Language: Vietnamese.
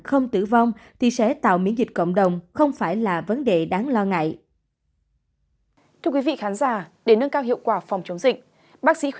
không tử vong thì sẽ tạo miễn dịch cộng đồng không phải là vấn đề đáng lo ngại